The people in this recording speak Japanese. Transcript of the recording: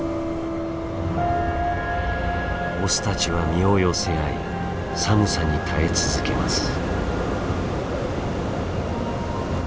オスたちは身を寄せ合い寒さに耐え続けます。